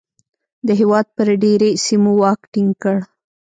د هېواد پر ډېری سیمو واک ټینګ کړ.